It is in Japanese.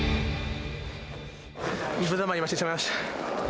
ぶざまに負けてしまいました。